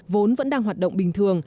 vốn vẫn đang hoạt động bình thường